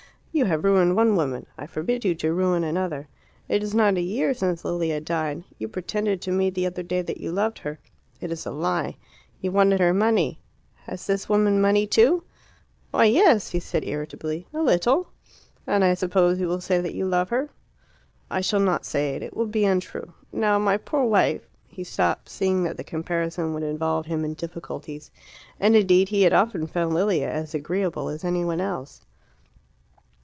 "You have ruined one woman; I forbid you to ruin another. It is not a year since Lilia died. You pretended to me the other day that you loved her. It is a lie. You wanted her money. Has this woman money too?" "Why, yes!" he said irritably. "A little." "And I suppose you will say that you love her." "I shall not say it. It will be untrue. Now my poor wife " He stopped, seeing that the comparison would involve him in difficulties. And indeed he had often found Lilia as agreeable as any one else.